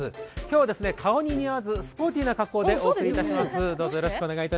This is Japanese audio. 今日は顔に似合わずスポーティーな格好でお送りします。